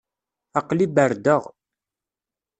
Aql-i berdaɣ.